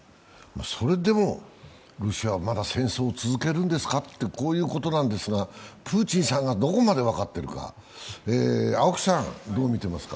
それでもロシアはまだ戦争を続けるんですかということなんですがプーチンさんがどこまで分かっているか。